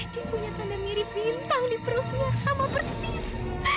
dia punya tanda mirip bintang di perutnya sama persis